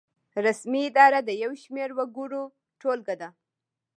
رسمي اداره د یو شمیر وګړو ټولګه ده.